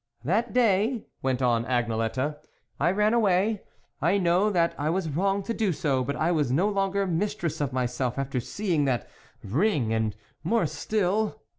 " That day," went on Agnelette, " I ran away ; I know that I was wrong to do so, but I was no longer mistress of myself after seeing that ring and more still.